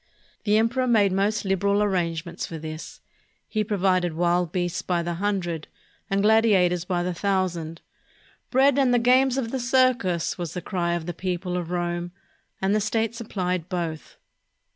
The emperor made most lib ' eral arrangements for this. He provided wild beasts by the hundred and gladiators by the thousand. "Bread and the games of the circus!" was the cry of the people of Rome, and the state supplied both.